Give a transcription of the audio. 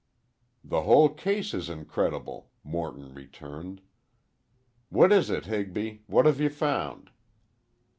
"The whole case is incredible," Morton returned. "What is it, Higby, what have you found?"